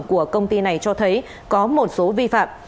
của công ty này cho thấy có một số vi phạm